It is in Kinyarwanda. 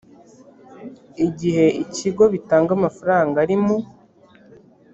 igihe ikigo bitanga amafaranga ari mu